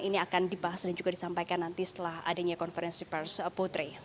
ini akan dibahas dan juga disampaikan nanti setelah adanya konferensi pers putri